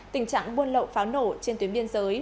tình trạng buôn lậu pháo nổ trên tuyến biên giới